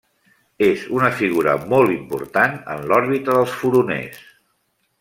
És una figura molt important en l'òrbita dels furoners.